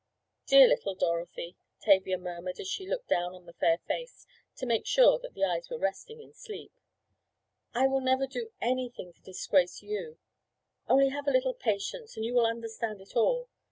"Dear little Dorothy," Tavia murmured as she looked down on the fair face, to make sure that the eyes were resting in sleep, "I will never do anything to disgrace you. Only have a little patience and you will understand it all.